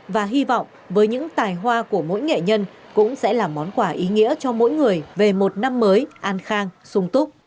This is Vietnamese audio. và hy vọng với những tài hoa của mỗi nghệ nhân cũng sẽ là món quà ý nghĩa cho mỗi người về một năm mới an khang sung túc